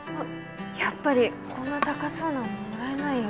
やっぱりこんな高そうなのもらえないよ。